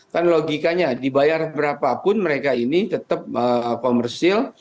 kan logikanya dibayar berapapun mereka ini tetap komersil